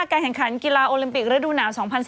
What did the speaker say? การแข่งขันกีฬาโอลิมปิกระดูกหนาว๒๐๑๙